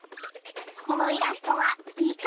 このイラストは「いか」。